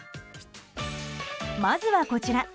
まずは、こちら。